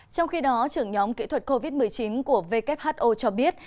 trong khi đó trưởng nhóm kỹ thuật covid một mươi chín của who cho biết